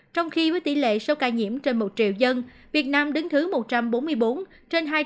trong khi với tỷ lệ số ca nhiễm trên một triệu dân việt nam đứng thứ một trăm bốn mươi bốn trên hai trăm hai mươi ba quốc gia và vùng lãnh thổ